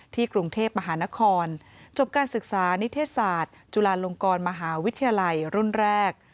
กรุงเทพมหานครจบการศึกษานิเทศศาสตร์จุฬาลงกรมหาวิทยาลัยรุ่นแรก